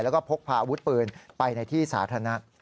แล้วก็พกพาอาวุธปืนไปในที่สาธารณะ